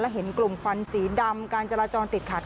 เห็นกลุ่มควันสีดำการจราจรติดขัด